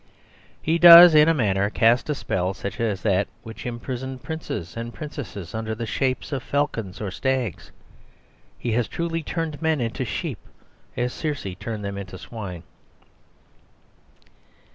He does, in a manner, cast a spell, such as that which imprisoned princes and princesses under the shapes of falcons or stags. He has truly turned men into sheep, as Circe turned them into swine.